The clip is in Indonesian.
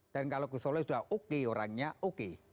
dan kalau gusola sudah oke orangnya oke